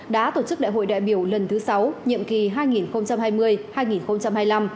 đã tổ chức đại hội đại biểu lần thứ sáu nhiệm kỳ hai nghìn hai mươi hai nghìn hai mươi năm